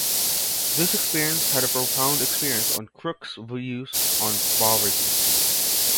This experience had a profound influence on Crooks' views on poverty.